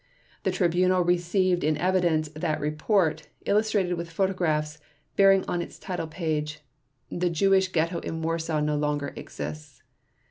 The Tribunal received in evidence that report, illustrated with photographs, bearing on its title page: "The Jewish Ghetto in Warsaw No Longer Exists."